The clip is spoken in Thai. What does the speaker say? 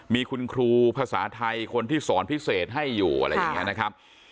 มีคุณครูภาษาไทยคนที่สอนพิเศษให้อยู่อะไรอย่างนี้นะครับ